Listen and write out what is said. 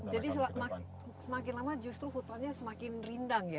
jadi semakin lama justru futonnya semakin rindang ya